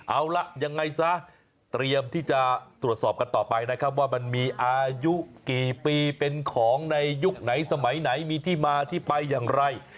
เอาล่ะยังไงซะเตรียมที่จะตรวจสอบกันต่อไปนะครับว่ามันมีอายุกี่ปีเป็นของในยุคไหนสมัยไหนมีที่มาที่ไปอย่างไร